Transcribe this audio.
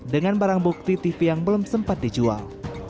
dengan barang bukti tv yang belum sempat dijual